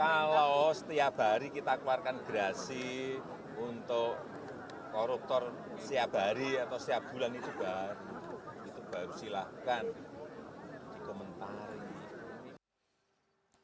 nah kalau setiap hari kita keluarkan grasi untuk koruptor setiap hari atau setiap bulan itu baru silahkan dikomentari